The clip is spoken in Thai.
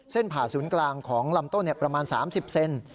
ผ่าศูนย์กลางของลำต้นประมาณ๓๐เซน